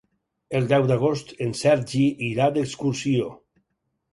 El deu d'agost en Sergi irà d'excursió.